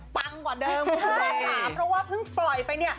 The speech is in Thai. เพราะว่าพึ่งปล่อยไปเนี่ย